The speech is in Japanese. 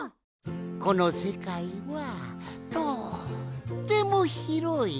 このせかいはとってもひろい。